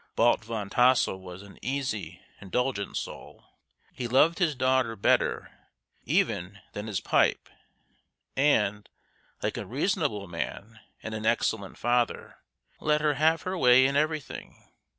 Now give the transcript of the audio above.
Balt Van Tassel was an easy, indulgent soul; he loved his daughter better even than his pipe, and, like a reasonable man and an excellent father, let her have her way in everything.